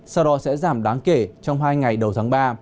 sau đó sẽ giảm đáng kể trong hai ngày đầu tháng ba